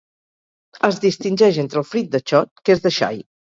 Es distingeix entre el frit de xot, que és de xai